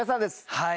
はい。